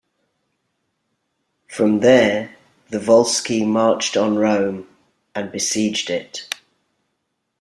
From there the Volsci marched on Rome and besieged it.